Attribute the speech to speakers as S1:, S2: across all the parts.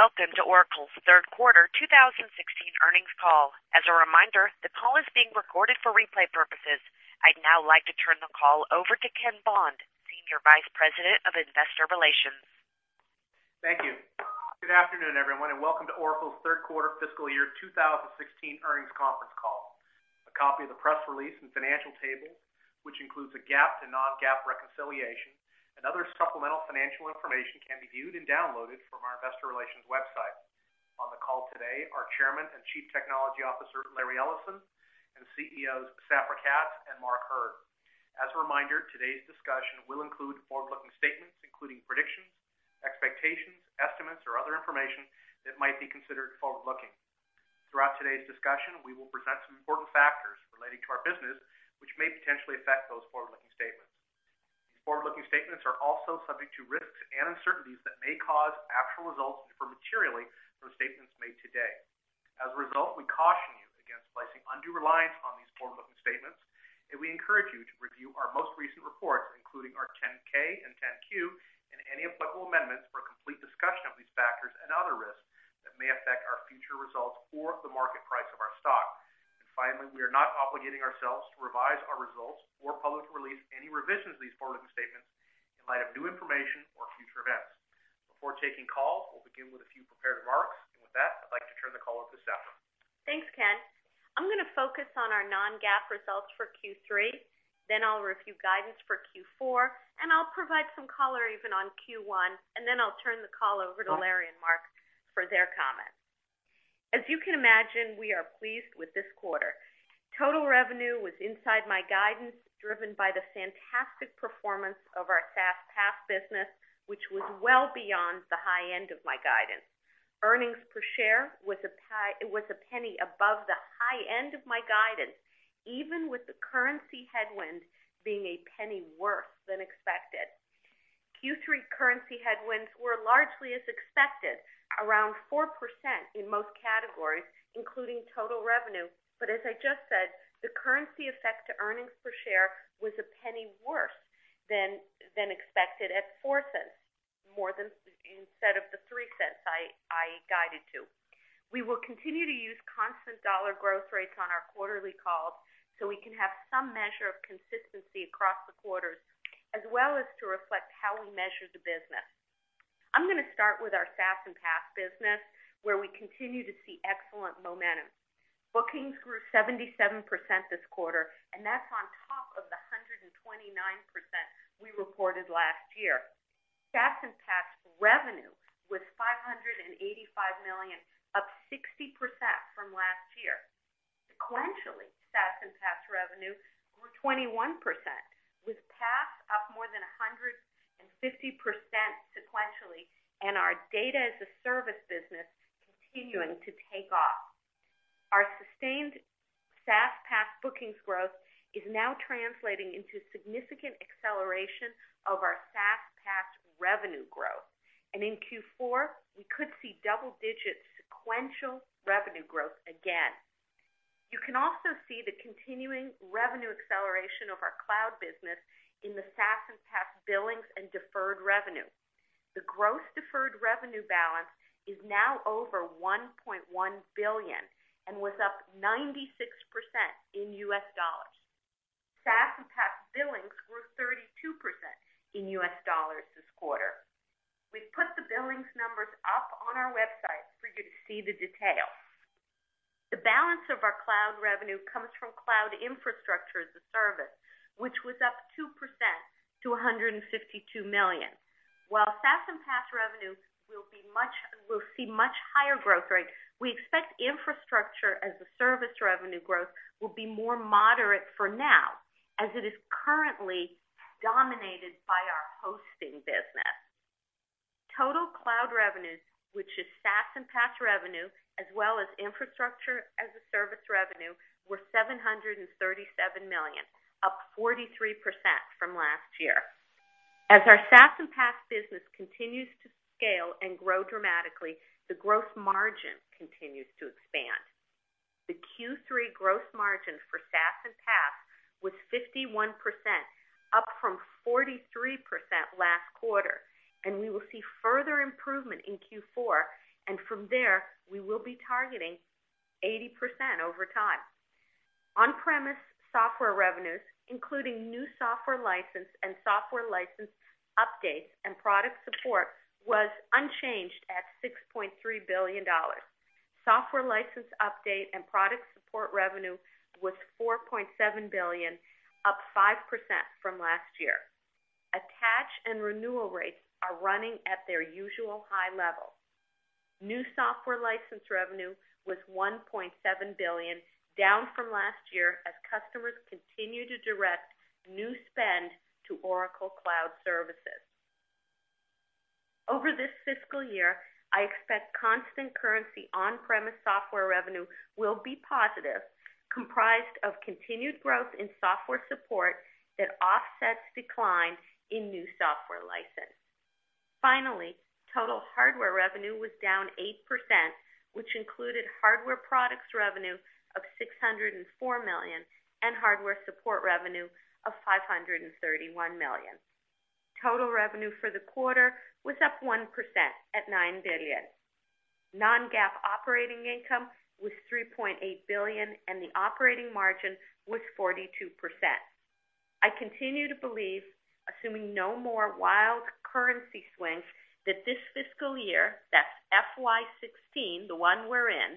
S1: Welcome to Oracle's third quarter 2016 earnings call. As a reminder, the call is being recorded for replay purposes. I'd now like to turn the call over to Ken Bond, Senior Vice President of Investor Relations.
S2: Thank you. Good afternoon, everyone, and welcome to Oracle's third quarter fiscal year 2016 earnings conference call. A copy of the press release and financial table, which includes a GAAP to non-GAAP reconciliation and other supplemental financial information, can be viewed and downloaded from our investor relations website. On the call today are Chairman and Chief Technology Officer, Larry Ellison, and CEOs, Safra Catz and Mark Hurd. As a reminder, today's discussion will include forward-looking statements, including predictions, expectations, estimates, or other information that might be considered forward-looking. Throughout today's discussion, we will present some important factors relating to our business, which may potentially affect those forward-looking statements. These forward-looking statements are also subject to risks and uncertainties that may cause actual results to differ materially from statements made today. As a result, we caution you against placing undue reliance on these forward-looking statements, and we encourage you to review our most recent reports, including our 10-K and 10-Q, and any applicable amendments for a complete discussion of these factors and other risks that may affect our future results or the market price of our stock. Finally, we are not obligating ourselves to revise our results or publicly release any revisions to these forward-looking statements in light of new information or future events. Before taking calls, we'll begin with a few prepared remarks. With that, I'd like to turn the call over to Safra.
S3: Thanks, Ken. I'm going to focus on our non-GAAP results for Q3. I'll review guidance for Q4. I'll provide some color even on Q1. I'll turn the call over to Larry and Mark for their comments. As you can imagine, we are pleased with this quarter. Total revenue was inside my guidance, driven by the fantastic performance of our SaaS/PaaS business, which was well beyond the high end of my guidance. Earnings per share was $0.01 above the high end of my guidance, even with the currency headwind being $0.01 worse than expected. Q3 currency headwinds were largely as expected, around 4% in most categories, including total revenue. As I just said, the currency effect to earnings per share was $0.01 worse than expected at $0.04, instead of the $0.03 I guided to. We will continue to use constant dollar growth rates on our quarterly calls so we can have some measure of consistency across the quarters, as well as to reflect how we measure the business. I'm going to start with our SaaS and PaaS business, where we continue to see excellent momentum. Bookings grew 77% this quarter, and that's on top of the 129% we reported last year. SaaS and PaaS revenue was $585 million, up 60% from last year. Sequentially, SaaS and PaaS revenue grew 21%, with PaaS up more than 150% sequentially, and our Data as a Service business continuing to take off. Our sustained SaaS/PaaS bookings growth is now translating into significant acceleration of our SaaS/PaaS revenue growth. In Q4, we could see double-digit sequential revenue growth again. You can also see the continuing revenue acceleration of our cloud business in the SaaS and PaaS billings and deferred revenue. The gross deferred revenue balance is now over $1.1 billion and was up 96% in U.S. dollars. SaaS and PaaS billings were 32% in U.S. dollars this quarter. We've put the billings numbers up on our website for you to see the details. The balance of our cloud revenue comes from cloud Infrastructure as a Service, which was up 2% to $152 million. While SaaS and PaaS revenue will see much higher growth rates, we expect Infrastructure as a Service revenue growth will be more moderate for now, as it is currently dominated by our hosting business. Total cloud revenues, which is SaaS and PaaS revenue, as well as Infrastructure as a Service revenue, were $737 million, up 43% from last year. As our SaaS and PaaS business continues to scale and grow dramatically, the gross margin continues to expand. The Q3 gross margin for SaaS and PaaS was 51%, up from 43% last quarter, and we will see further improvement in Q4. From there, we will be targeting 80% over time. On-premise software revenues, including new software license and software license updates and product support, was unchanged at $6.3 billion. Software license update and product support revenue was $4.7 billion, up 5% from last year. Attach and renewal rates are running at their usual high level. New software license revenue was $1.7 billion, down from last year as customers continue to direct new spend to Oracle Cloud services. Over this fiscal year, I expect constant currency on-premise software revenue will be positive, comprised of continued growth in software support that offsets decline in new software license. Finally, total hardware revenue was down 8%, which included hardware products revenue of $604 million and hardware support revenue of $531 million. Total revenue for the quarter was up 1% at $9 billion. Non-GAAP operating income was $3.8 billion, and the operating margin was 42%. I continue to believe, assuming no more wild currency swings, that this fiscal year, that's FY 2016, the one we're in,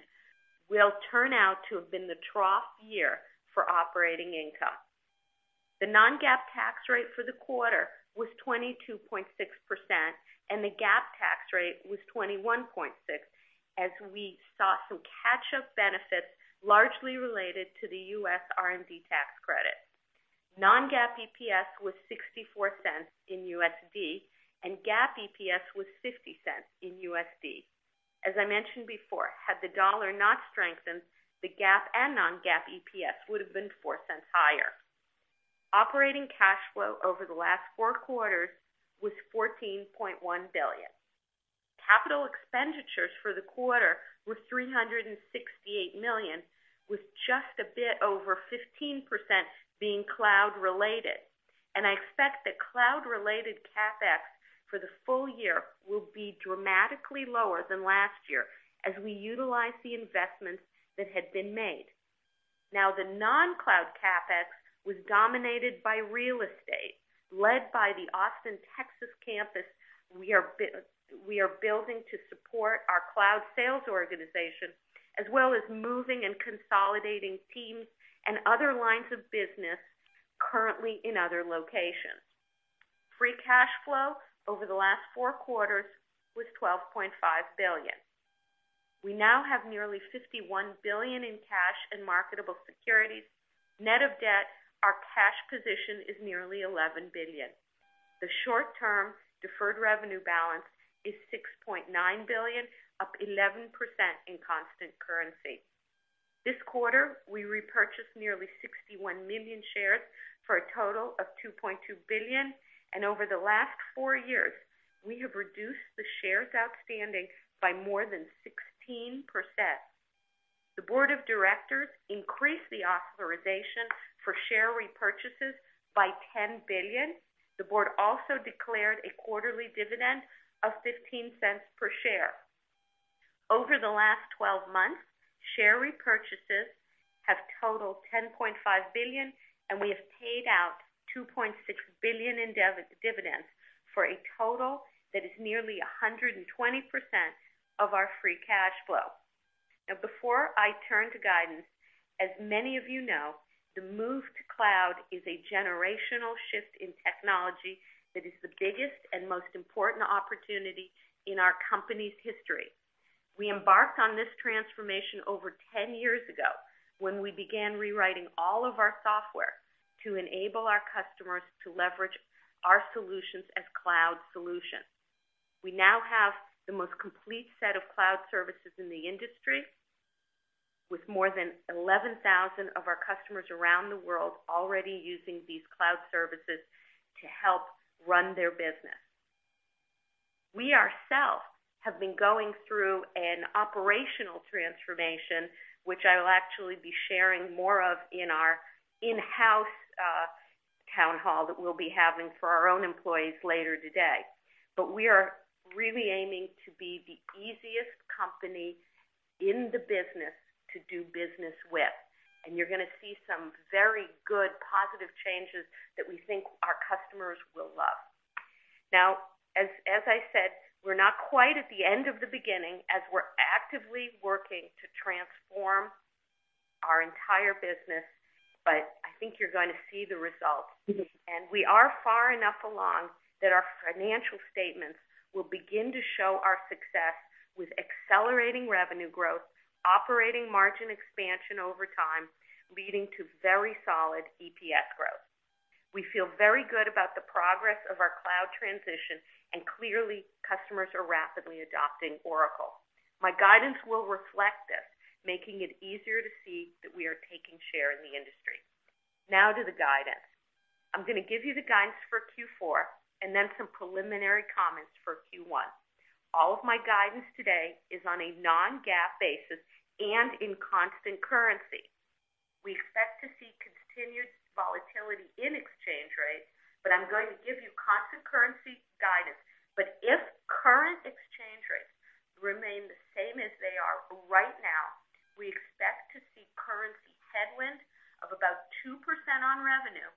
S3: will turn out to have been the trough year for operating income. The non-GAAP tax rate for the quarter was 22.6%, and the GAAP tax rate was 21.6%, as we saw some catch-up benefits largely related to the U.S. R&D tax credit. Non-GAAP EPS was $0.64, and GAAP EPS was $0.50. As I mentioned before, had the dollar not strengthened, the GAAP and non-GAAP EPS would have been $0.04 higher. Operating cash flow over the last four quarters was $14.1 billion. Capital expenditures for the quarter were $368 million, with just a bit over 15% being cloud-related. I expect that cloud-related CapEx for the full year will be dramatically lower than last year as we utilize the investments that had been made. The non-cloud CapEx was dominated by real estate, led by the Austin, Texas campus we are building to support our cloud sales organization, as well as moving and consolidating teams and other lines of business currently in other locations. Free cash flow over the last four quarters was $12.5 billion. We now have nearly $51 billion in cash and marketable securities. Net of debt, our cash position is nearly $11 billion. The short-term deferred revenue balance is $6.9 billion, up 11% in constant currency. This quarter, we repurchased nearly 61 million shares for a total of $2.2 billion. Over the last four years, we have reduced the shares outstanding by more than 16%. The board of directors increased the authorization for share repurchases by $10 billion. The board also declared a quarterly dividend of $0.15 per share. Over the last 12 months, share repurchases have totaled $10.5 billion. We have paid out $2.6 billion in dividends for a total that is nearly 120% of our free cash flow. Before I turn to guidance, as many of you know, the move to cloud is a generational shift in technology that is the biggest and most important opportunity in our company's history. We embarked on this transformation over 10 years ago, when we began rewriting all of our software to enable our customers to leverage our solutions as cloud solutions. We now have the most complete set of cloud services in the industry, with more than 11,000 of our customers around the world already using these cloud services to help run their business. We ourselves have been going through an operational transformation, which I will actually be sharing more of in our in-house town hall that we'll be having for our own employees later today. We are really aiming to be the easiest company in the business to do business with, and you're going to see some very good, positive changes that we think our customers will love. As I said, we're not quite at the end of the beginning as we're actively working to transform our entire business. I think you're going to see the results. We are far enough along that our financial statements will begin to show our success with accelerating revenue growth, operating margin expansion over time, leading to very solid EPS growth. We feel very good about the progress of our cloud transition. Clearly, customers are rapidly adopting Oracle. My guidance will reflect this, making it easier to see that we are taking share in the industry. To the guidance. I'm going to give you the guidance for Q4 and then some preliminary comments for Q1. All of my guidance today is on a non-GAAP basis and in constant currency. We expect to see continued volatility in exchange rates. I'm going to give you constant currency guidance. If current exchange rates remain the same as they are right now, we expect to see currency headwind of about 2% on revenue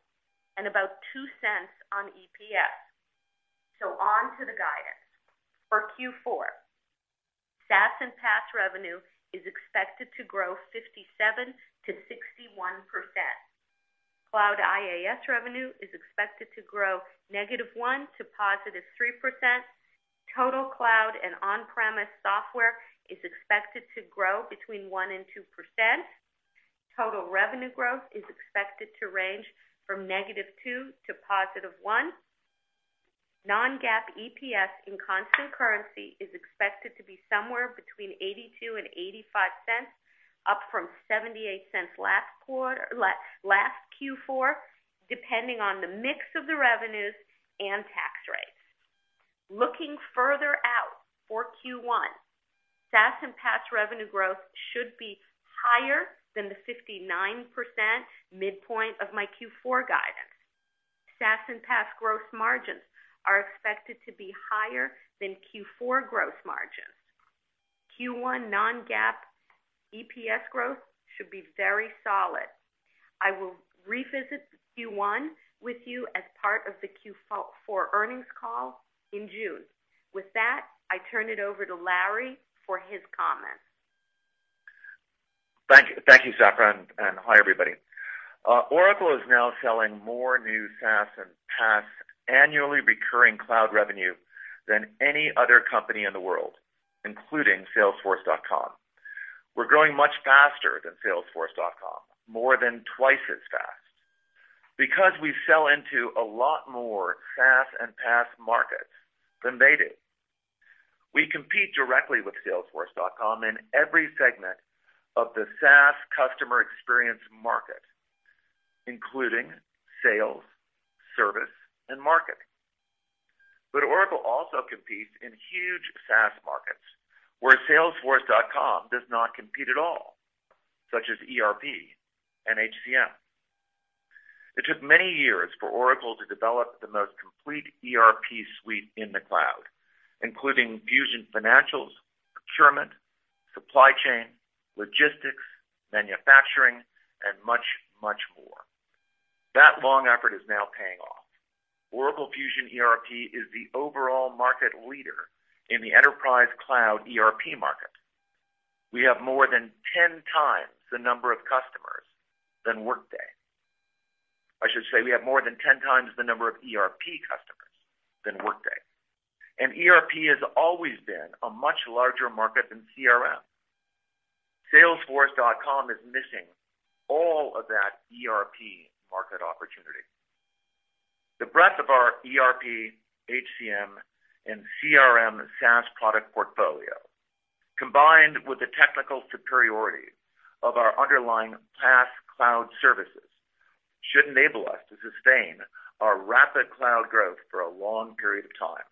S3: and about $0.02 on EPS. On to the guidance. For Q4, SaaS and PaaS revenue is expected to grow 57%-61%. Cloud IaaS revenue is expected to grow -1% to +3%. Total cloud and on-premise software is expected to grow between 1% and 2%. Total revenue growth is expected to range from -2% to +1%. Non-GAAP EPS in constant currency is expected to be somewhere between $0.82 and $0.85, up from $0.78 last Q4, depending on the mix of the revenues and tax rates. Looking further out for Q1, SaaS and PaaS revenue growth should be higher than the 59% midpoint of my Q4 guidance. SaaS and PaaS gross margins are expected to be higher than Q4 growth margins. Q1 non-GAAP EPS growth should be very solid. I will revisit Q1 with you as part of the Q4 earnings call in June. With that, I turn it over to Larry for his comments.
S4: Thank you, Safra. Hi, everybody. Oracle is now selling more new SaaS and PaaS annually recurring cloud revenue than any other company in the world, including salesforce.com. We're growing much faster than salesforce.com, more than twice as fast, because we sell into a lot more SaaS and PaaS markets than they do. We compete directly with salesforce.com in every segment of the SaaS customer experience market, including sales, service, and marketing. Oracle also competes in huge SaaS markets where salesforce.com does not compete at all, such as ERP and HCM. It took many years for Oracle to develop the most complete ERP suite in the cloud, including Fusion financials, procurement, supply chain, logistics, manufacturing, and much, much more. That long effort is now paying off. Oracle Fusion ERP is the overall market leader in the enterprise cloud ERP market. We have more than 10 times the number of customers than Workday. I should say we have more than 10 times the number of ERP customers than Workday. ERP has always been a much larger market than CRM. Salesforce.com is missing all of that ERP market opportunity. The breadth of our ERP, HCM, and CRM SaaS product portfolio, combined with the technical superiority of our underlying PaaS cloud services, should enable us to sustain our rapid cloud growth for a long period of time.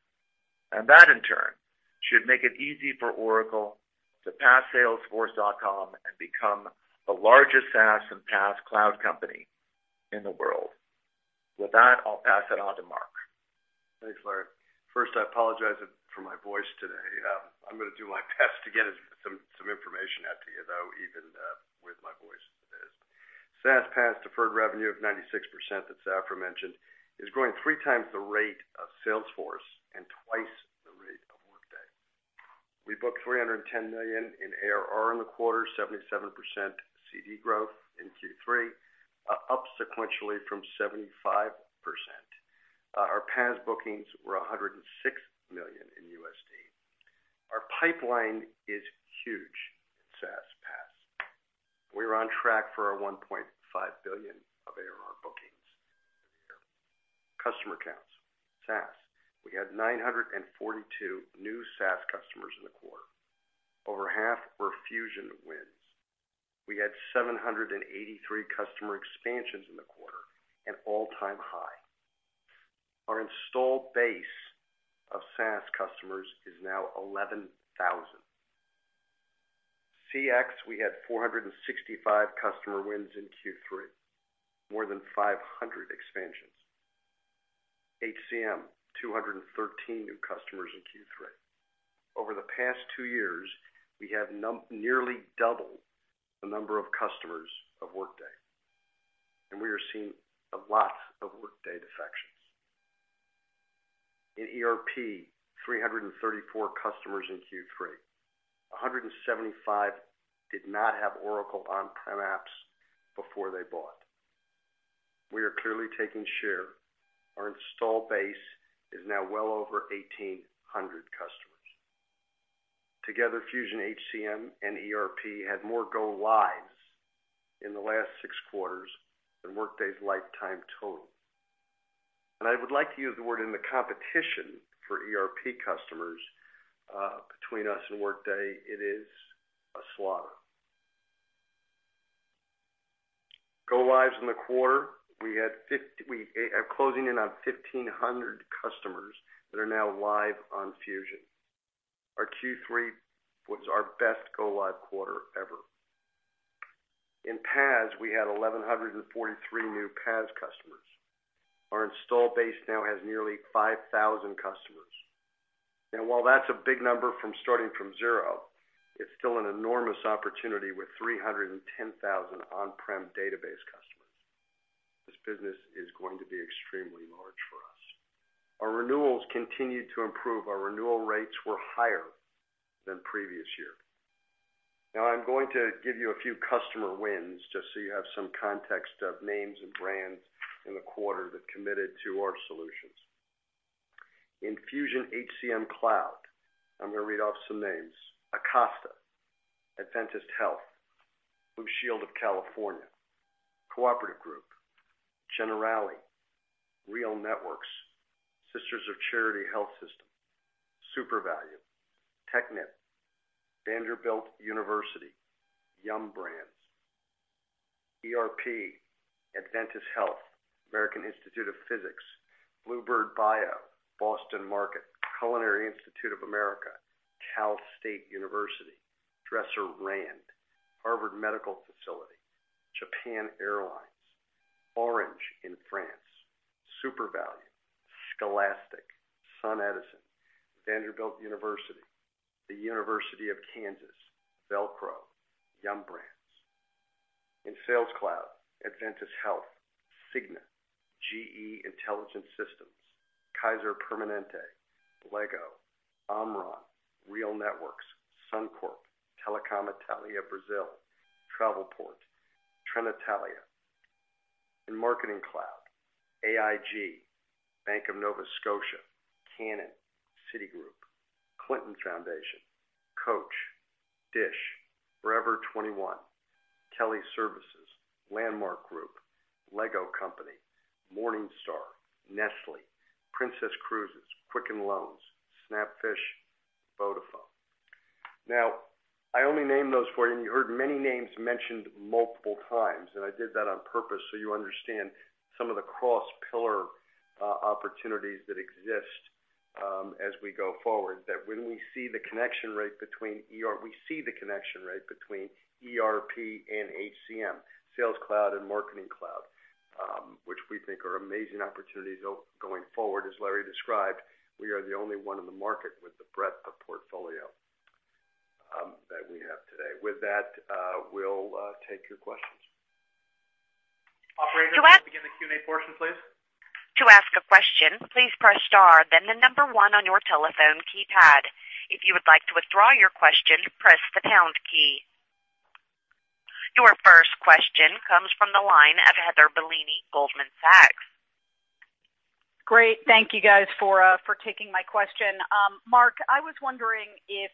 S4: That, in turn, should make it easy for Oracle to pass salesforce.com and become the largest SaaS and PaaS cloud company in the world. With that, I'll pass it on to Mark.
S5: Thanks, Larry. First, I apologize for my voice today. I'm going to do my best to get some information out to you, though, even with my voice as it is. SaaS, PaaS deferred revenue of 96% that Safra mentioned is growing three times the rate of Salesforce and twice the rate of Workday. We booked $310 million in ARR in the quarter, 77% CD growth in Q3, up sequentially from 75%. Our PaaS bookings were $106 million in USD. Our pipeline is huge in SaaS, PaaS. We are on track for a $1.5 billion of ARR bookings for the year. Customer counts. SaaS, we had 942 new SaaS customers in the quarter. Over half were Fusion wins. We had 783 customer expansions in the quarter, an all-time high. Our installed base of SaaS customers is now 11,000. CX, we had 465 customer wins in Q3, more than 500 expansions. HCM, 213 new customers in Q3. Over the past two years, we have nearly doubled the number of customers of Workday, and we are seeing a lot of Workday defections. In ERP, 334 customers in Q3. 175 did not have Oracle on-prem apps before they bought. We are clearly taking share. Our install base is now well over 1,800 customers. Together, Fusion HCM and ERP had more go lives in the last six quarters than Workday's lifetime total. I would like to use the word in the competition for ERP customers, between us and Workday, it is a slaughter. Go lives in the quarter, we are closing in on 1,500 customers that are now live on Fusion. Our Q3 was our best go live quarter ever. In PaaS, we had 1,143 new PaaS customers. Our install base now has nearly 5,000 customers. While that's a big number from starting from zero, it's still an enormous opportunity with 310,000 on-prem database customers. This business is going to be extremely large for us. Our renewals continued to improve. Our renewal rates were higher than previous year. Now I'm going to give you a few customer wins just so you have some context of names and brands in the quarter that committed to our solutions. In Fusion HCM Cloud, I'm going to read off some names. Acosta, Adventist Health, Blue Shield of California, Cooperative Group, Generali, RealNetworks, Sisters of Charity Health System, SuperValu, Technip, Vanderbilt University, Yum Brands. ERP at Ventas Health, American Institute of Physics, bluebird bio, Boston Market, Culinary Institute of America, Cal State University, Dresser-Rand, Harvard Medical Facility, Japan Airlines, Orange in France, SuperValu, Scholastic, SunEdison, Vanderbilt University, the University of Kansas, Velcro, Yum Brands. In Sales Cloud, Adventist Health, Cigna, GE Intelligent Systems, Kaiser Permanente, LEGO, Omron, RealNetworks, Suncorp, Telecom Italia Brazil, Travelport, Trenitalia. In Marketing Cloud, AIG, Bank of Nova Scotia, Canon, Citigroup, Clinton Foundation, Coach, DISH, Forever 21, TeleServices, Landmark Group, Lego Company, Morningstar, Nestlé, Princess Cruises, Quicken Loans, Snapfish, Vodafone. Now, I only named those for you, and you heard many names mentioned multiple times, and I did that on purpose so you understand some of the cross-pillar opportunities that exist as we go forward. That when we see the connection rate between ERP and HCM, Sales Cloud and Marketing Cloud, which we think are amazing opportunities going forward. As Larry described, we are the only one in the market with the breadth of portfolio that we have today. With that, we'll take your questions.
S1: Operator- To ask Can we begin the Q&A portion, please? To ask a question, please press star, then the number 1 on your telephone keypad. If you would like to withdraw your question, press the pound key. Your first question comes from the line of Heather Bellini, Goldman Sachs.
S6: Great. Thank you guys for taking my question. Mark, I was wondering if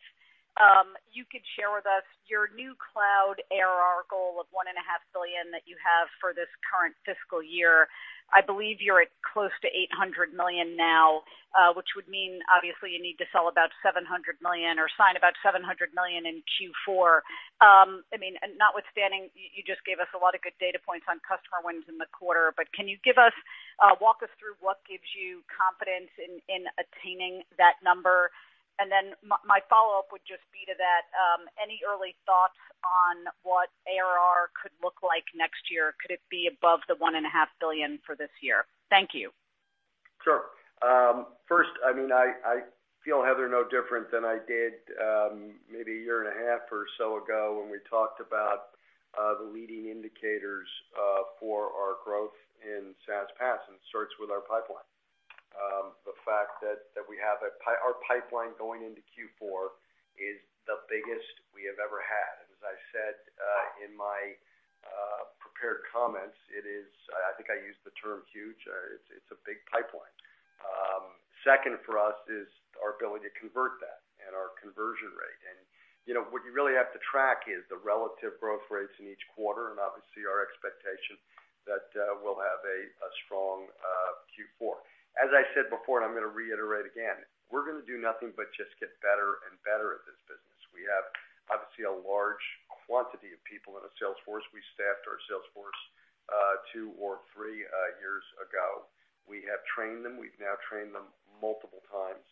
S6: you could share with us your new cloud ARR goal of one and a half billion that you have for this current fiscal year. I believe you're at close to $800 million now, which would mean obviously you need to sell about $700 million or sign about $700 million in Q4. Notwithstanding, you just gave us a lot of good data points on customer wins in the quarter, but can you walk us through what gives you confidence in attaining that number? My follow-up would just be to that, any early thoughts on what ARR could look like next year? Could it be above the one and a half billion for this year? Thank you.
S5: Sure. First, I feel, Heather, no different than I did maybe a year and a half or so ago when we talked about the leading indicators for our growth in SaaS PaaS. It starts with our pipeline. The fact that our pipeline going into Q4 is the biggest we have ever had. As I said in my prepared comments, I think I used the term huge. It's a big pipeline. Second for us is our ability to convert that and our conversion rate. What you really have to track is the relative growth rates in each quarter, and obviously our expectation that we'll have a strong Q4. As I said before, and I'm going to reiterate again, we're going to do nothing but just get better and better at this business. We have, obviously, a large quantity of people in the sales force. We staffed our sales force two or three years ago. We have trained them. We've now trained them multiple times.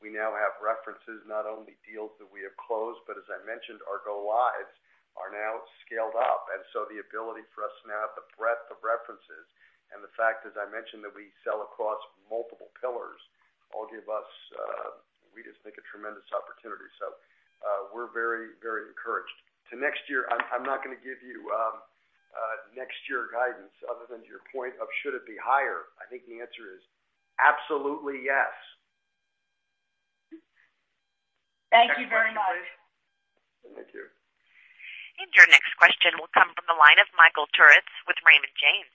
S5: We now have references, not only deals that we have closed, but as I mentioned, our go lives are now scaled up. The ability for us to now have the breadth of references, and the fact, as I mentioned, that we sell across multiple pillars, all give us, we just think, a tremendous opportunity. We're very encouraged. To next year, I'm not going to give you next year guidance other than to your point of should it be higher. I think the answer is absolutely yes.
S6: Thank you very much.
S5: Thank you.
S3: Your next question will come from the line of Michael Turits with Raymond James.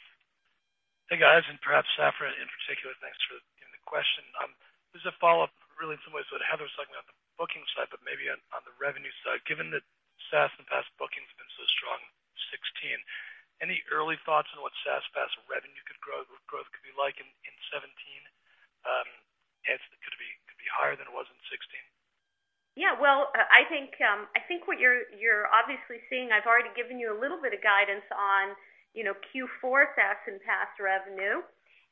S7: Hey, guys, and perhaps Safra in particular, thanks for taking the question. This is a follow-up really in some ways what Heather was talking about the booking side, but maybe on the revenue side. Given that SaaS and PaaS bookings have been so strong in 2016, any early thoughts on what SaaS PaaS revenue growth could be like in 2017? Could it be higher than it was in 2016?
S3: Yeah. Well, I think what you're obviously seeing, I've already given you a little bit of guidance on Q4 SaaS and PaaS revenue,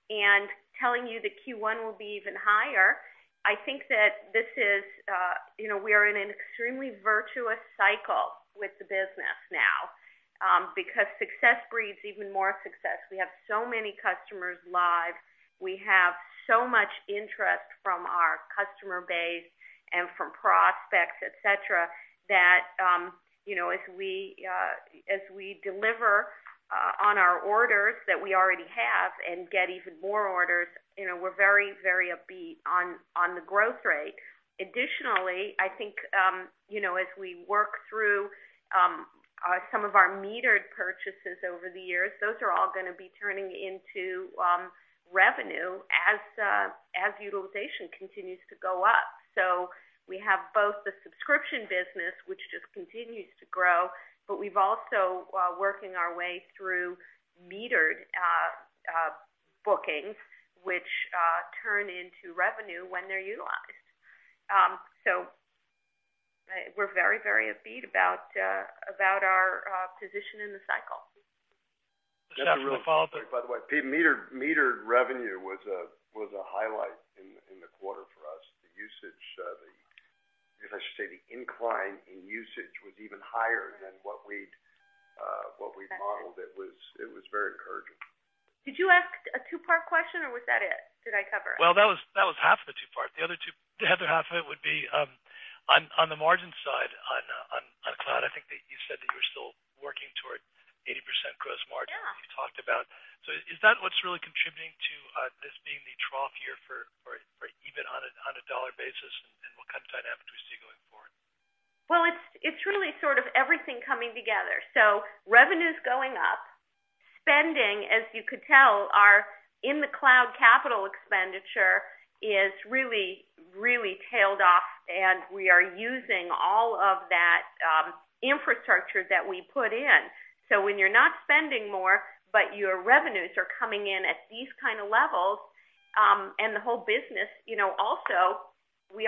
S3: and telling you that Q1 will be even higher. I think that we are in an extremely virtuous cycle with the business now. Success breeds even more success. We have so many customers live. We have so much interest from our customer base and from prospects, et cetera, that as we deliver on our orders that we already have and get even more orders, we're very upbeat on the growth rate. I think, as we work through some of our metered purchases over the years, those are all going to be turning into revenue as utilization continues to go up. We have both the subscription business, which just continues to grow, we've also, while working our way through metered bookings, which turn into revenue when they're utilized. We're very upbeat about our position in the cycle.
S5: Just a real quick, by the way, metered revenue was a highlight in the quarter for us. The usage, if I should say, the incline in usage was even higher than what we'd modeled. It was very encouraging.
S3: Did you ask a two-part question, or was that it? Did I cover it?
S7: Well, that was half of the two-part. The other half of it would be on the margin side on cloud, I think that you said that you were still working toward 80% gross margin. Yeah. You talked about. Is that what's really contributing to this being the trough year for even on a dollar basis, and what kind of dynamic do we see going forward?
S3: Well, it's really sort of everything coming together. Revenue's going up. Spending, as you could tell, our in-the-cloud capital expenditure has really tailed off, and we are using all of that infrastructure that we put in. When you're not spending more, but your revenues are coming in at these kind of levels, and the whole business, we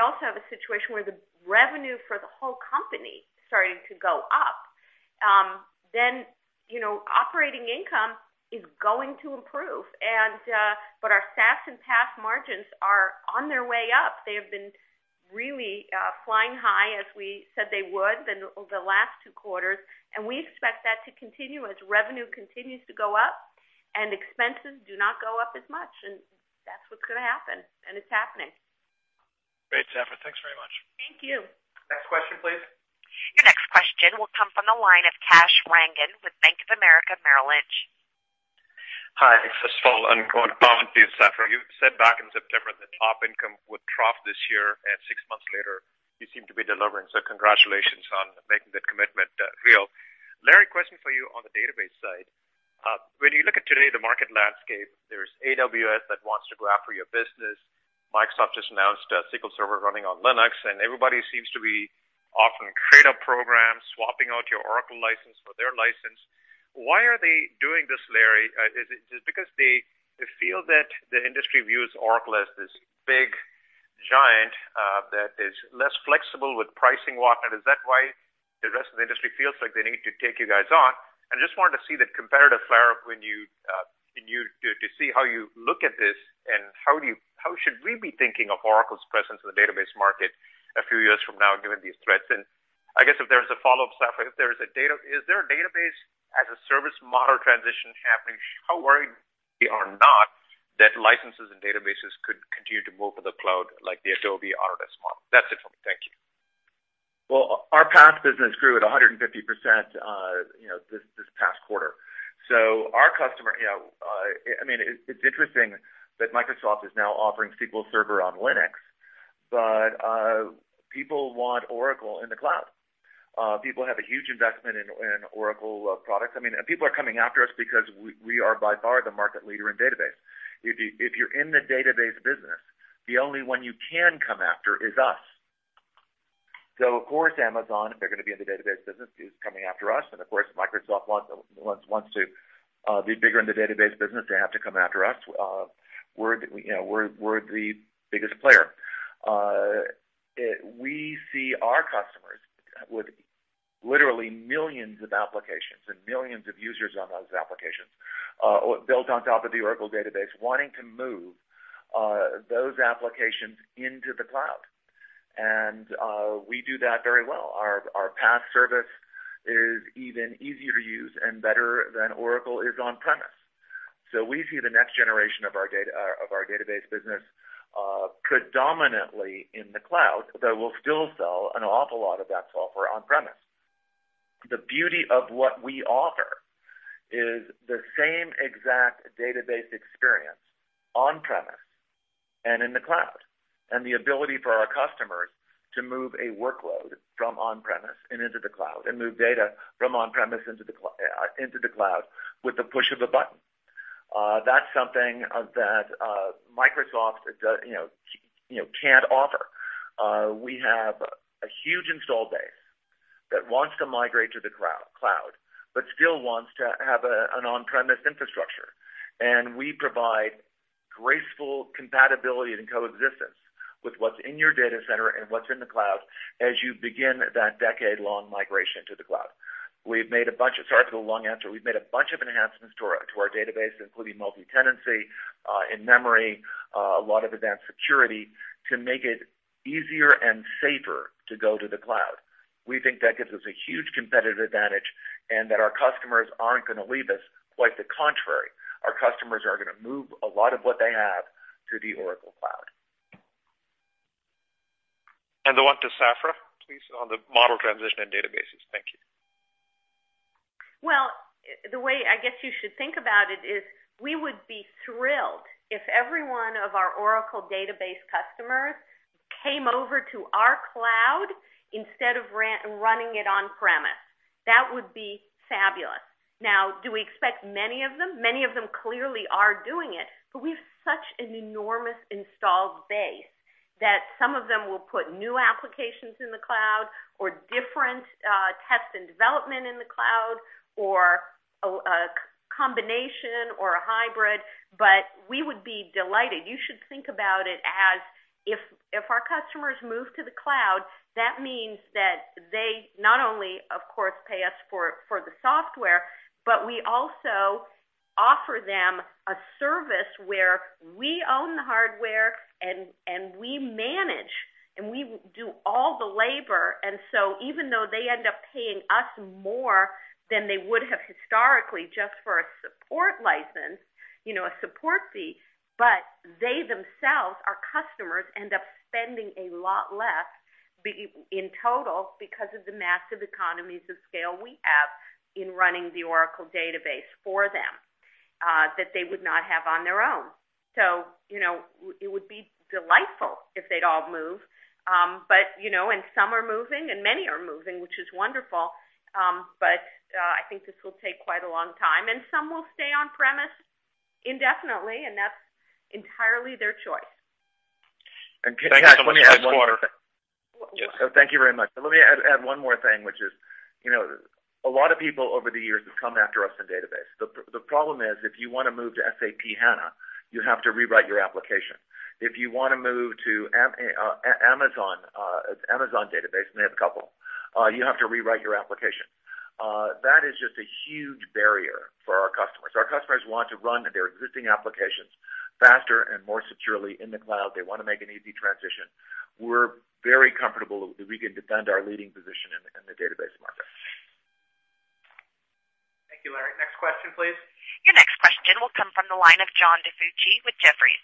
S3: also have a situation where the revenue for the whole company is starting to go up. Operating income is going to improve. Our SaaS and PaaS margins are on their way up. They have been really flying high, as we said they would, the last two quarters, and we expect that to continue as revenue continues to go up and expenses do not go up as much. That's what's going to happen, and it's happening.
S7: Great, Safra. Thanks very much.
S3: Thank you.
S2: Next question, please.
S1: Your next question will come from the line of Kash Rangan with Bank of America Merrill Lynch.
S8: Hi, this is Sal. I'm going to comment to you, Safra. You said back in September that op income would trough this year, six months later, you seem to be delivering. Congratulations on making that commitment real. Larry, question for you on the database side. When you look at today, the market landscape, there's AWS that wants to go after your business. Microsoft just announced a SQL Server running on Linux, everybody seems to be offering trade-up programs, swapping out your Oracle license for their license. Why are they doing this, Larry? Is it just because they feel that the industry views Oracle as this big giant that is less flexible with pricing whatnot? Is that why the rest of the industry feels like they need to take you guys on? I just wanted to see the competitive flare-up to see how you look at this, how should we be thinking of Oracle's presence in the database market a few years from now given these threats? I guess if there's a follow-up, Safra, is there a database as a service model transition happening? How worried are you or not that licenses and databases could continue to move to the cloud like the Adobe Autodesk model? That's it for me. Thank you.
S4: Well, our PaaS business grew at 150% this past quarter. It's interesting that Microsoft is now offering SQL Server on Linux, people want Oracle in the cloud. People have a huge investment in Oracle products. People are coming after us because we are by far the market leader in database. If you're in the database business, the only one you can come after is us. Of course, Amazon, if they're going to be in the database business, is coming after us, of course, Microsoft wants to be bigger in the database business, they have to come after us. We're the biggest player. We see our customers with literally millions of applications and millions of users on those applications built on top of the Oracle Database, wanting to move those applications into the cloud. We do that very well. Our PaaS service is even easier to use and better than Oracle is on premise. We see the next generation of our database business predominantly in the cloud, though we'll still sell an awful lot of that software on premise. The beauty of what we offer is the same exact database experience on premise and in the cloud, and the ability for our customers to move a workload from on premise and into the cloud, and move data from on premise into the cloud with the push of a button. That's something that Microsoft can't offer. We have a huge install base that wants to migrate to the cloud, but still wants to have an on premise infrastructure. We provide graceful compatibility and coexistence with what's in your data center and what's in the cloud as you begin that decade-long migration to the cloud. Sorry for the long answer. We've made a bunch of enhancements to our database, including multi-tenancy, in-memory, a lot of advanced security, to make it easier and safer to go to the cloud. We think that gives us a huge competitive advantage and that our customers aren't going to leave us. Quite the contrary. Our customers are going to move a lot of what they have to the Oracle Cloud.
S8: The one to Safra, please, on the model transition and databases. Thank you.
S3: Well, the way I guess you should think about it is we would be thrilled if every one of our Oracle Database customers came over to our cloud instead of running it on premise. That would be fabulous. Now, do we expect many of them? Many of them clearly are doing it, but we have such an enormous installed base that some of them will put new applications in the cloud or different test and development in the cloud, or a combination or a hybrid, but we would be delighted. You should think about it as if our customers move to the cloud, that means that they not only, of course, pay us for the software, but we also offer them a service where we own the hardware and we manage, and we do all the labor. Even though they end up paying us more than they would have historically just for a support license, a support fee, but they themselves, our customers, end up spending a lot less in total because of the massive economies of scale we have in running the Oracle Database for them, that they would not have on their own. It would be delightful if they'd all move. Some are moving, and many are moving, which is wonderful. I think this will take quite a long time, and some will stay on-premise indefinitely, and that's entirely their choice.
S2: Thank you so much.
S5: Thank you very much. Let me add one more thing, which is, a lot of people over the years have come after us in database. The problem is, if you want to move to SAP HANA, you have to rewrite your application. If you want to move to Amazon database, and they have a couple, you have to rewrite your application. That is just a huge barrier for our customers. Our customers want to run their existing applications faster and more securely in the cloud. They want to make an easy transition. We're very comfortable that we can defend our leading position in the database market.
S2: Thank you, Larry. Next question, please.
S1: Your next question will come from the line of John DiFucci with Jefferies.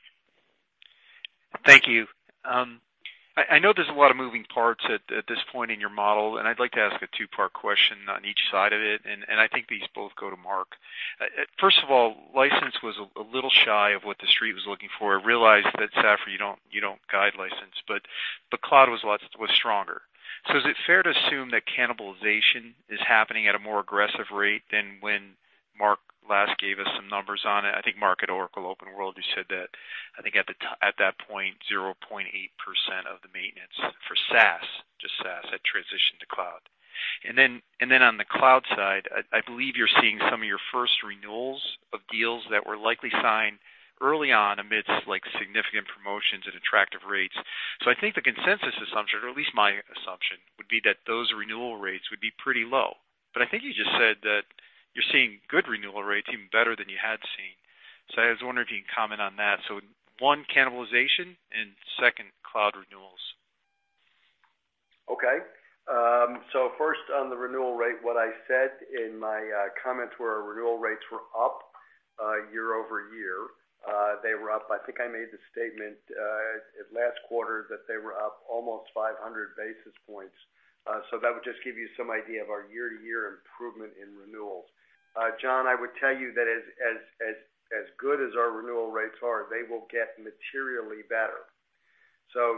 S9: Thank you. I know there's a lot of moving parts at this point in your model, I'd like to ask a two-part question on each side of it, I think these both go to Mark. First of all, license was a little shy of what the Street was looking for. I realize that, Safra, you don't guide license, but cloud was stronger. Is it fair to assume that cannibalization is happening at a more aggressive rate than when Mark last gave us some numbers on it? I think Mark, at Oracle OpenWorld, you said that, I think at that point, 0.8% of the maintenance for SaaS, just SaaS, had transitioned to cloud. On the cloud side, I believe you're seeing some of your first renewals of deals that were likely signed early on amidst significant promotions and attractive rates. I think the consensus assumption, or at least my assumption, would be that those renewal rates would be pretty low. But I think you just said that you're seeing good renewal rates, even better than you had seen. I was wondering if you can comment on that. One, cannibalization, and second, cloud renewals.
S5: Okay. First on the renewal rate, what I said in my comments were our renewal rates were up year-over-year. They were up, I think I made the statement last quarter that they were up almost 500 basis points. That would just give you some idea of our year-to-year improvement in renewals. John, I would tell you that as good as our renewal rates are, they will get materially better.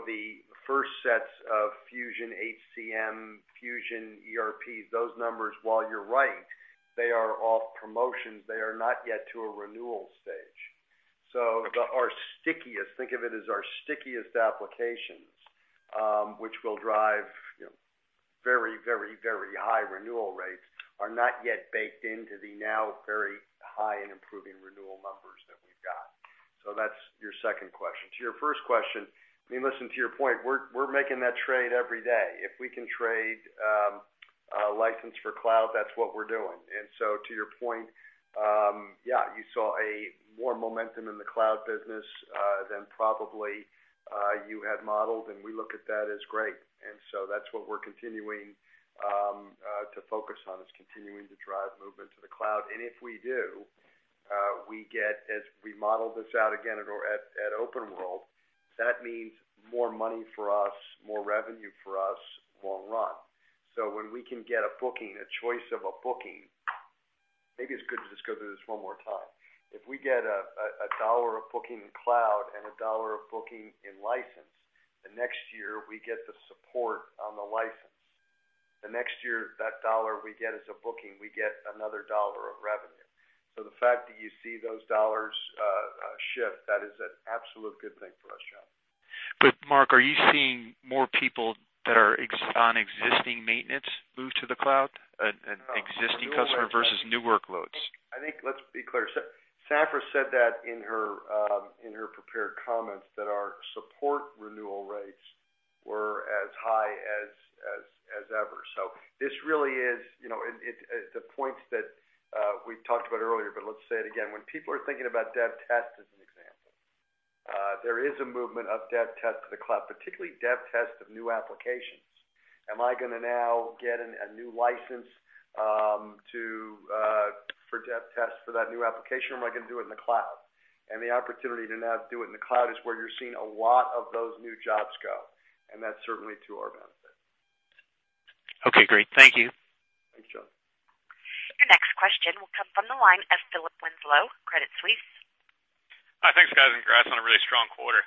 S5: The first sets of Fusion HCM, Fusion ERP, those numbers, while you're right, they are off promotions, they are not yet to a renewal stage. Our stickiest, think of it as our stickiest applications, which will drive very high renewal rates, are not yet baked into the now very high and improving renewal numbers that we've got. That's your second question. To your first question, listen, to your point, we're making that trade every day. If we can trade a license for cloud, that's what we're doing. To your point, yeah, you saw more momentum in the cloud business than probably you had modeled, and we look at that as great. That's what we're continuing to focus on, is continuing to drive movement to the cloud. If we do, we get, as we modeled this out again at Oracle OpenWorld, that means more money for us, more revenue for us long run. When we can get a booking, a choice of a booking. Maybe it's good to just go through this one more time. If we get a $1 of booking in cloud and a $1 of booking in license, the next year, we get the support on the license. The next year, that $1 we get as a booking, we get another $1 of revenue. The fact that you see those dollars shift, that is an absolute good thing for us, John.
S9: Mark, are you seeing more people that are on existing maintenance move to the cloud? Existing customer versus new workloads.
S5: I think let's be clear. Safra said that in her prepared comments that our support renewal rates were as high as ever. This really is the points that we've talked about earlier, but let's say it again. When people are thinking about dev test as an example, there is a movement of dev test to the cloud, particularly dev test of new applications. Am I going to now get a new license for dev test for that new application or am I going to do it in the cloud? The opportunity to now do it in the cloud is where you're seeing a lot of those new jobs go, and that's certainly to our benefit.
S9: Okay, great. Thank you.
S5: Thanks, John.
S1: Your next question will come from the line of Philip Winslow, Credit Suisse.
S10: Thanks, guys, congrats on a really strong quarter.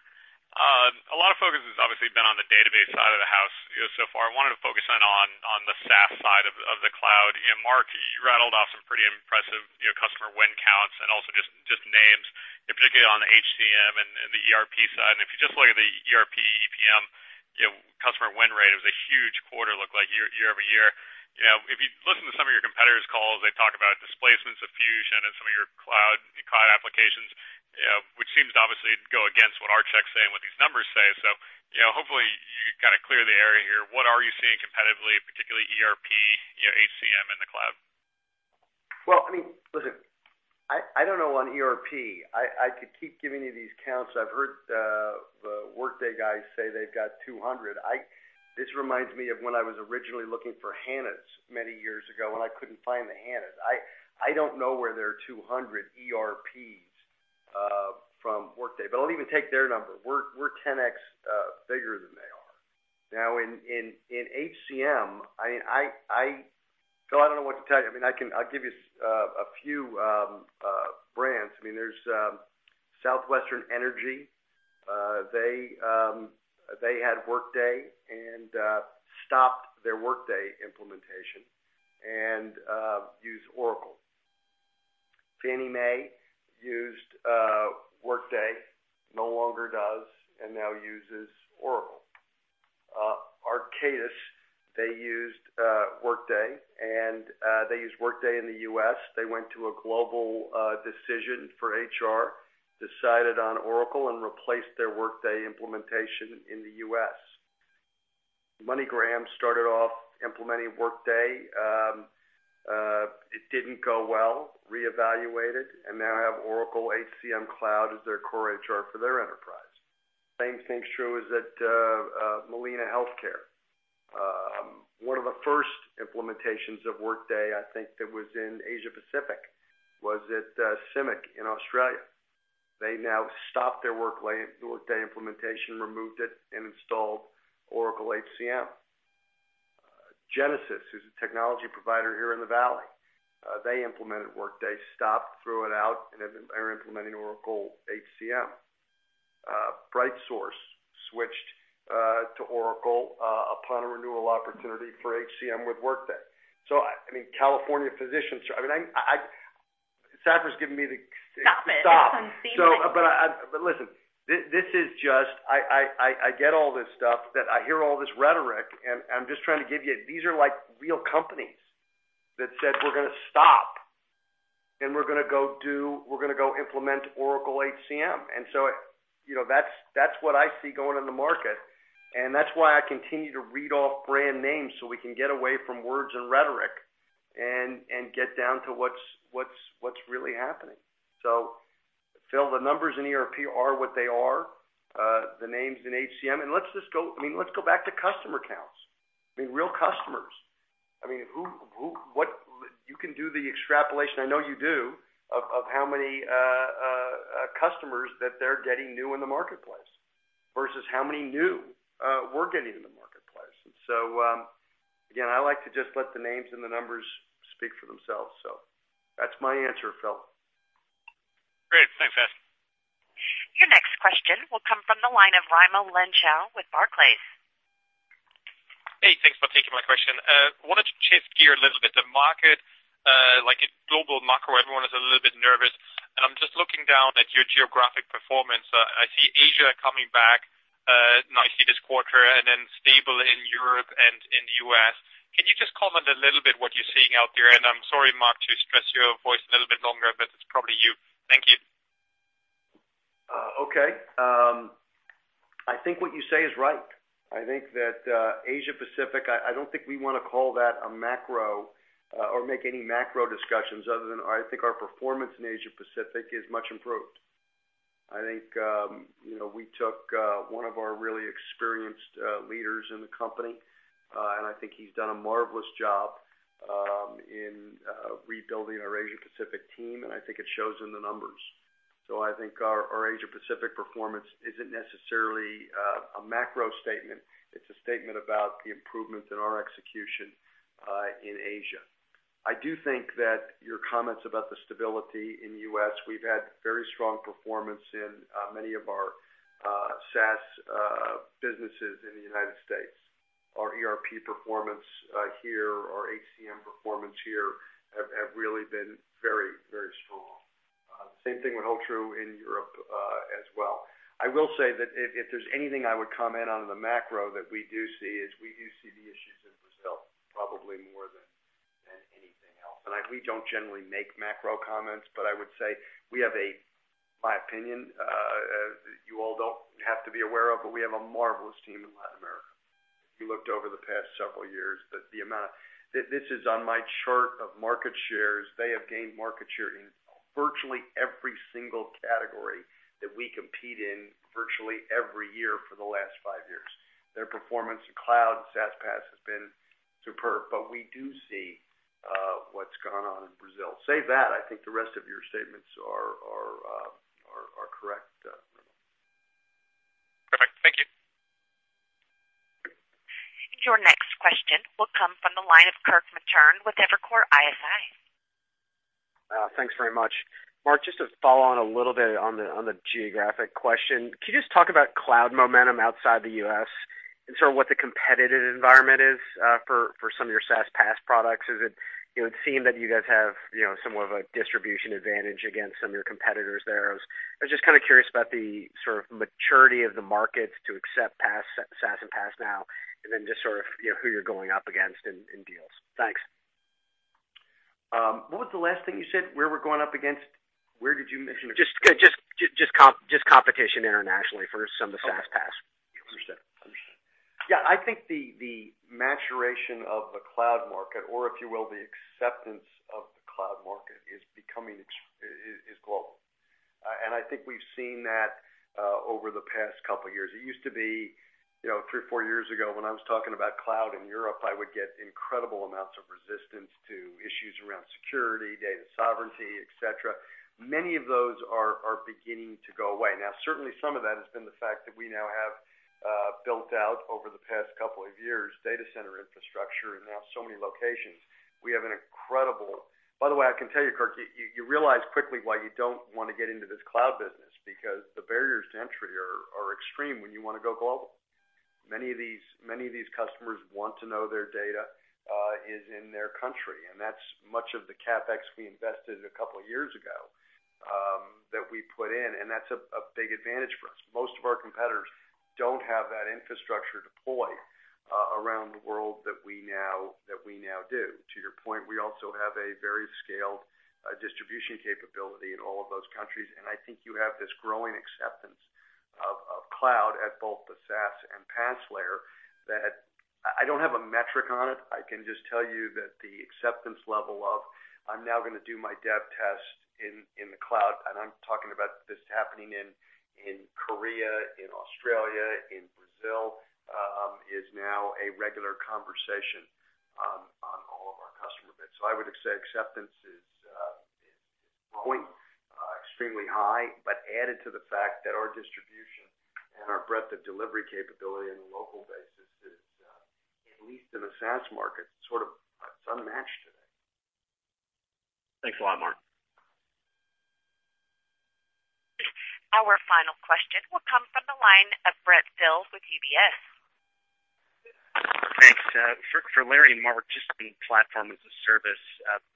S10: A lot of focus has obviously been on the database side of the house so far. I wanted to focus in on the SaaS side of the cloud. Mark, you rattled off some pretty impressive customer win counts and also just names, particularly on the HCM and the ERP side. If you just look at the ERP, EPM Customer win rate. It was a huge quarter, it looked like year-over-year. If you listen to some of your competitors' calls, they talk about displacements of Fusion and some of your cloud applications, which seems to obviously go against what our checks say and what these numbers say. Hopefully you clear the area here. What are you seeing competitively, particularly ERP, HCM in the cloud?
S5: Listen, I don't know on ERP. I could keep giving you these counts. I've heard the Workday guys say they've got 200. This reminds me of when I was originally looking for HANA many years ago, and I couldn't find the HANA. I don't know where there are 200 ERPs from Workday. I'll even take their number. We're 10X bigger than they are. In HCM, Phil, I don't know what to tell you. I'll give you a few brands. There's Southwestern Energy. They had Workday and stopped their Workday implementation and use Oracle. Fannie Mae used Workday, no longer does, and now uses Oracle. Arcadis, they used Workday, and they used Workday in the U.S. They went to a global decision for HR, decided on Oracle, and replaced their Workday implementation in the U.S. MoneyGram started off implementing Workday. It didn't go well, reevaluated, and now have Oracle HCM Cloud as their core HR for their enterprise. Same thing's true is that Molina Healthcare. One of the first implementations of Workday, I think that was in Asia Pacific, was at CIMIC in Australia. They now stopped their Workday implementation, removed it, and installed Oracle HCM. Genesys, who's a technology provider here in the Valley. They implemented Workday, stopped, threw it out, and they're implementing Oracle HCM. BrightSource switched to Oracle upon a renewal opportunity for HCM with Workday. California Physicians. Safra's giving me the-
S3: Stop it stop. Listen, I get all this stuff, that I hear all this rhetoric, and I'm just trying to give you, these are real companies that said, "We're going to stop, and we're going to go implement Oracle HCM." That's what I see going in the market, and that's why I continue to read off brand names so we can get away from words and rhetoric and get down to what's really happening. Phil, the numbers in ERP are what they are, the names in HCM, and let's go back to customer counts. Real customers. You can do the extrapolation, I know you do, of how many customers that they're getting new in the marketplace versus how many new we're getting in the marketplace. Again, I like to just let the names and the numbers speak for themselves. That's my answer, Phil.
S10: Great. Thanks, Safra.
S1: Your next question will come from the line of Raimo Lenschow with Barclays.
S11: Hey, thanks for taking my question. I wanted to shift gear a little bit. The market, like in global macro, everyone is a little bit nervous, I'm just looking down at your geographic performance. I see Asia coming back nicely this quarter and then stable in Europe and in the U.S. Can you just comment a little bit what you're seeing out there? I'm sorry, Mark, to stress your voice a little bit longer, but it's probably you. Thank you.
S5: Okay. I think what you say is right. I think that Asia Pacific, I don't think we want to call that a macro or make any macro discussions other than I think our performance in Asia Pacific is much improved. I think we took one of our really experienced leaders in the company, I think he's done a marvelous job in rebuilding our Asia Pacific team, I think it shows in the numbers. I think our Asia Pacific performance isn't necessarily a macro statement. It's a statement about the improvement in our execution in Asia. I do think that your comments about the stability in the U.S., we've had very strong performance in many of our SaaS businesses in the United States. Our ERP performance here, our HCM performance here, have really been very strong. Same thing would hold true in Europe as well. I will say that if there's anything I would comment on in the macro that we do see is we do see the issues in Brazil probably more than anything else. We don't generally make macro comments, I would say we have a marvelous team in Latin America. If you looked over the past several years, this is on my chart of market shares. They have gained market share in virtually every single category that we compete in virtually every year for the last five years. Their performance in cloud and SaaS PaaS has been superb. We do see what's gone on in Brazil. Say that, I think the rest of your statements are correct.
S11: Perfect. Thank you.
S1: Your next question will come from the line of Kirk Materne with Evercore ISI.
S12: Thanks very much. Mark, just to follow on a little bit on the geographic question, can you just talk about cloud momentum outside the U.S. and sort of what the competitive environment is for some of your SaaS PaaS products? It would seem that you guys have somewhat of a distribution advantage against some of your competitors there. I was just kind of curious about the sort of maturity of the market to accept SaaS and PaaS now, and then just sort of who you're going up against in deals. Thanks.
S5: What was the last thing you said? Where did you mention?
S12: Just competition internationally for some of the SaaS PaaS.
S5: Okay. Understood. I think the maturation of the cloud market, or if you will, the acceptance of the cloud market is global. I think we've seen that over the past couple of years. It used to be three or four years ago, when I was talking about cloud in Europe, I would get incredible amounts of resistance to issues around security, data sovereignty, et cetera. Many of those are beginning to go away. Now, certainly some of that has been the fact that we now have built out, over the past couple of years, data center infrastructure in now so many locations. We have, by the way, I can tell you, Kirk, you realize quickly why you don't want to get into this cloud business, because the barriers to entry are extreme when you want to go global. Many of these customers want to know their data is in their country, that's much of the CapEx we invested a couple of years ago, that we put in, that's a big advantage for us. Most of our competitors don't have that infrastructure deployed around the world that we now do. To your point, we also have a very scaled distribution capability in all of those countries. I think you have this growing acceptance of cloud at both the SaaS and PaaS layer that I don't have a metric on it, I can just tell you that the acceptance level of, "I'm now going to do my dev test in the cloud," and I'm talking about this happening in Korea, in Australia, in Brazil, is now a regular conversation on all of our customer bits. I would say acceptance is growing extremely high. Added to the fact that our distribution and our breadth of delivery capability in a local basis is, at least in the SaaS market, it's unmatched today.
S12: Thanks a lot, Mark.
S1: Our final question will come from the line of Brent Thill with UBS.
S13: Thanks. For Larry and Mark, just in Platform as a Service,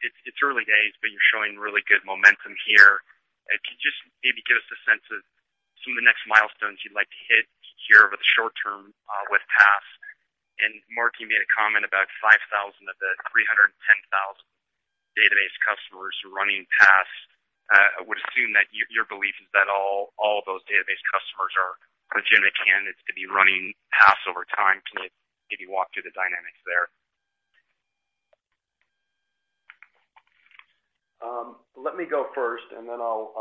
S13: it's early days, you're showing really good momentum here. Could you just maybe give us a sense of some of the next milestones you'd like to hit here over the short term with PaaS? Mark, you made a comment about 5,000 of the 310,000 database customers running PaaS. I would assume that your belief is that all of those database customers are legitimate candidates to be running PaaS over time. Can you maybe walk through the dynamics there?
S5: Let me go first. Then I'll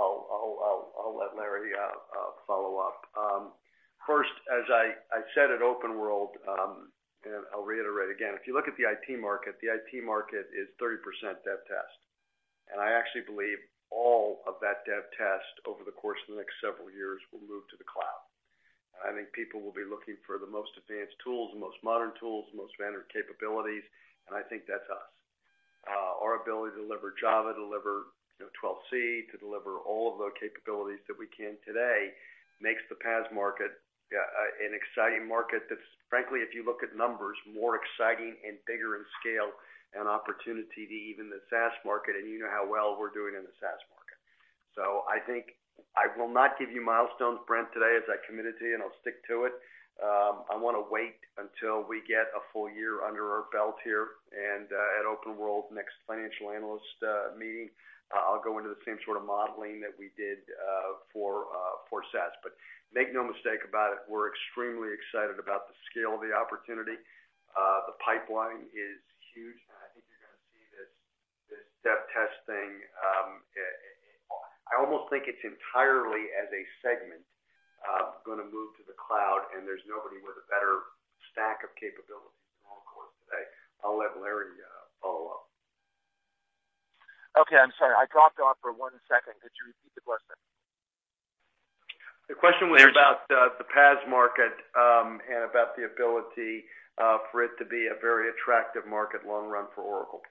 S5: let Larry follow up. First, as I said at OpenWorld, I'll reiterate again, if you look at the IT market, the IT market is 30% dev test. I actually believe all of that dev test, over the course of the next several years, will move to the cloud. I think people will be looking for the most advanced tools, the most modern tools, the most standard capabilities, and I think that's us. Our ability to deliver Java, deliver 12c, to deliver all of those capabilities that we can today makes the PaaS market an exciting market that's, frankly, if you look at numbers, more exciting and bigger in scale and opportunity to even the SaaS market, and you know how well we're doing in the SaaS market. I think I will not give you milestones, Brent, today, as I committed to you. I'll stick to it. I want to wait until we get a full year under our belt here, at OpenWorld, next financial analyst meeting, I'll go into the same sort of modeling that we did for SaaS. Make no mistake about it, we're extremely excited about the scale of the opportunity. The pipeline is huge, I think you're going to see this dev test thing. I almost think it's entirely as a segment, going to move to the cloud, and there's nobody with a better stack of capabilities than Oracle is today. I'll let Larry follow up.
S4: Okay, I'm sorry. I dropped off for one second. Could you repeat the question?
S5: The question was about the PaaS market, about the ability for it to be a very attractive market long run for Oracle.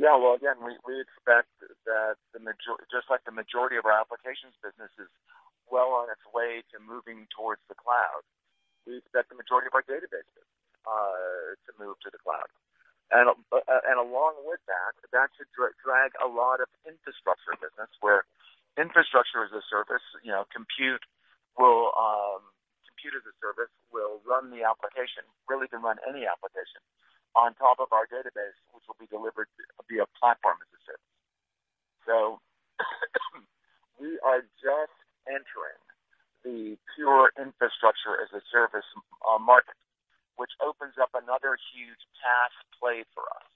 S4: Well, again, we expect that just like the majority of our applications business is well on its way to moving towards the cloud, we expect the majority of our database business to move to the cloud. Along with that should drag a lot of infrastructure business where Infrastructure as a Service, Compute as a Service will run the application, really can run any application, on top of our database, which will be delivered via Platform as a Service. We are just entering the pure Infrastructure as a Service market, which opens up another huge PaaS play for us.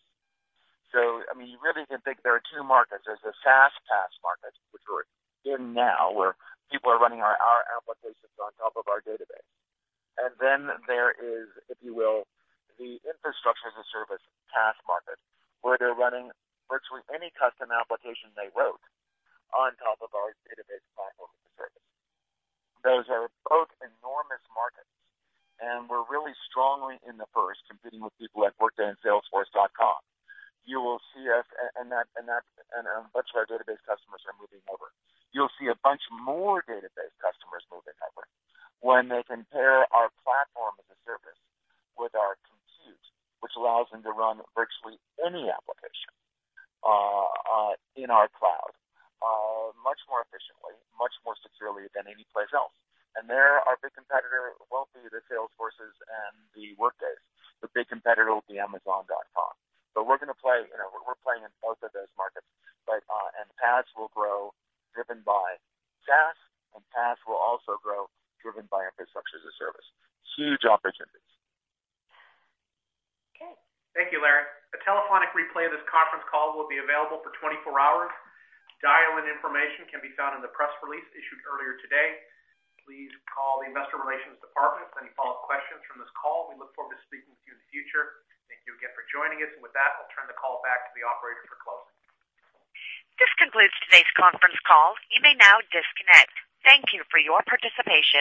S4: You really can think there are two markets. There's the SaaS PaaS market, which we're in now, where people are running our applications on top of our database. There is, if you will, the Infrastructure as a Service PaaS market, where they're running virtually any custom application they wrote on top of our database Platform as a Service. Those are both enormous markets, we're really strongly in the first, competing with people like Workday and salesforce.com. You will see us, a bunch of our database customers are moving over. You'll see a bunch more database customers moving over when they compare our Platform as a Service with our compute, which allows them to run virtually any application in our cloud, much more efficiently, much more securely than any place else. There, our big competitor won't be the Salesforces and the Workdays. The big competitor will be amazon.com. We're playing in both of those markets. PaaS will grow driven by SaaS, and PaaS will also grow driven by Infrastructure as a Service. Huge opportunities.
S1: Okay.
S2: Thank you, Larry. A telephonic replay of this conference call will be available for 24 hours. Dial-in information can be found in the press release issued earlier today. Please call the investor relations department with any follow-up questions from this call. We look forward to speaking with you in the future. Thank you again for joining us. With that, I'll turn the call back to the operator for closing.
S1: This concludes today's conference call. You may now disconnect. Thank you for your participation.